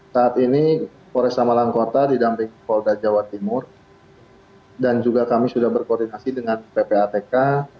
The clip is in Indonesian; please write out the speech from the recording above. saat ini koresa malam kota di damping kolda jawa timur dan juga kami sudah berkoordinasi dengan ppatk